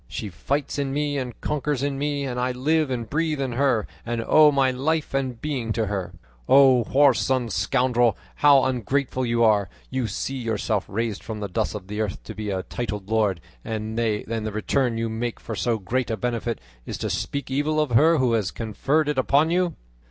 She fights in me and conquers in me, and I live and breathe in her, and owe my life and being to her. O whoreson scoundrel, how ungrateful you are, you see yourself raised from the dust of the earth to be a titled lord, and the return you make for so great a benefit is to speak evil of her who has conferred it upon you!"